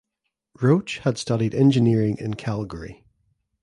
Roach had studied engineering in Calgary.